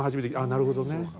なるほどね。